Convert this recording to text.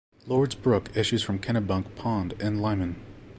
Lords Brook issues from Kennebunk Pond in Lyman.